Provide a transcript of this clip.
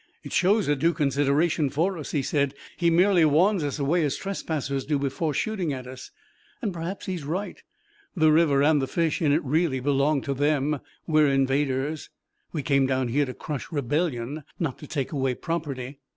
"It shows a due consideration for us," he said. "He merely warns us away as trespassers before shooting at us. And perhaps he's right. The river and the fish in it really belong to them. We're invaders. We came down here to crush rebellion, not to take away property."